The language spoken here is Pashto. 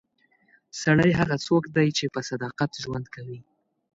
سړی هغه څوک دی چې په صداقت ژوند کوي.